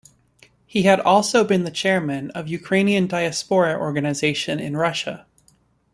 He had also been the chairman of Ukrainian diaspora organisation in Russia.